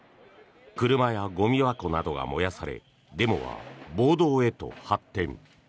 車やゴミ箱などが燃やされデモは暴動へと発展。